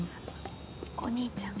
お兄ちゃん。